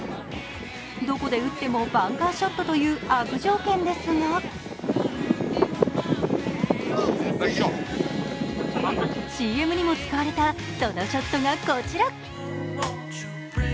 どこで打ってもバンカーショットという悪条件ですがＣＭにも使われた、そのショットがこちら。